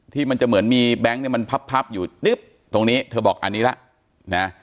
ที่มันจะเหมือนมีแบงค์เนี่ยมันพับอยู่นิบตรงนี้เธอบอกอันนี้ละนะ